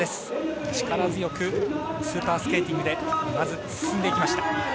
力強くスーパースケーティングでまず、進んでいきました。